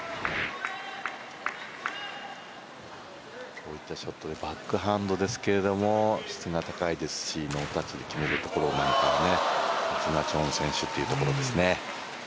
こういったショットバックハンドですが質が高いですしノータッチで決めるところ、さすがチョン選手といったところですね。